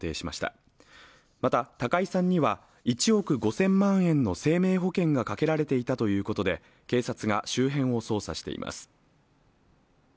また、高井さんには１億５０００万円の生命保険がかけられていたということで警察が周辺を捜査しています。